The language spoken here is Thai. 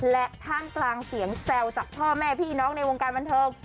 และท่ามกลางเสียงแซวจากพ่อแม่พี่น้องในวงการบันเทิง